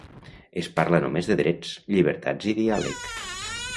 Es parla només de drets, llibertats i diàleg.